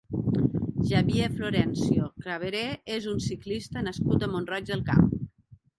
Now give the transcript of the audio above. Xavier Florencio Cabré és un ciclista nascut a Mont-roig del Camp.